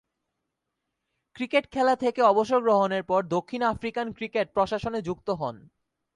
Cricket খেলা থেকে অবসর গ্রহণের পর দক্ষিণ আফ্রিকান ক্রিকেট প্রশাসনে যুক্ত হন।